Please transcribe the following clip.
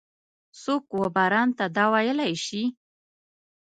څوک وباران ته دا ویلای شي؟